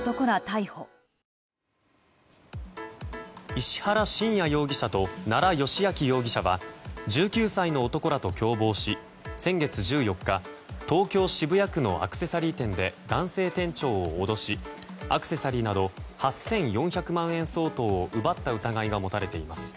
石原信也容疑者と奈良幸晃容疑者は１９歳の男らと共謀し先月１４日東京・渋谷区のアクセサリー店で男性店長を脅しアクセサリーなど８４００万円相当を奪った疑いが持たれています。